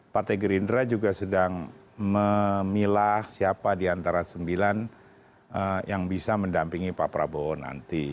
pak t gerindra juga sedang memilah siapa diantara sembilan yang bisa mendampingi pak prabowo nanti